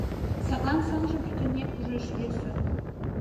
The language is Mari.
Садлан сынжым пӱтынек ужаш йӧсӧ.